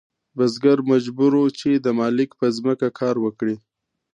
بزګر مجبور و چې د مالک په ځمکه کار وکړي.